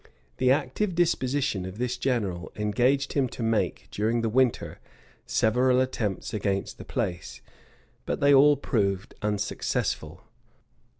The active disposition of this general engaged him to make, during the winter, several attempts against the place; but they all proved unsuccessful.